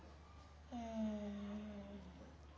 うん。